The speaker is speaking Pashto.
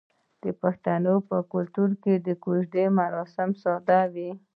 د پښتنو په کلتور کې د کوژدې مراسم ساده وي.